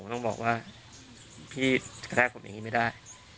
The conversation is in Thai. ต้องบอกว่าพี่กระแทกผมอย่างนี้ไม่ได้